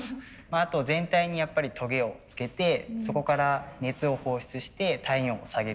あと全体にやっぱりトゲをつけてそこから熱を放出して体温を下げる。